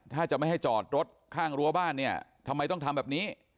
ถ้าจะไม่ให้จอดรถข้างรั้วบ้านเนี่ยทำไมต้องทำแบบนี้